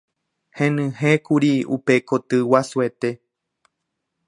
Henyhẽkuri upe koty guasuete.